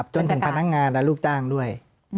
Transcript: จนถึงพนักงานและลูกจ้างด้วย